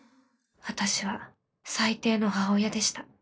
私は最低の母親でした。